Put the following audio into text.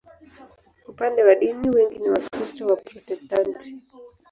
Upande wa dini, wengi ni Wakristo Waprotestanti.